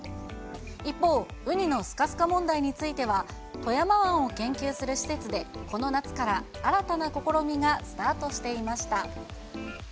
一方、ウニのスカスカ問題については、富山湾を研究する施設で、この夏から、新たな試みがスタートしていました。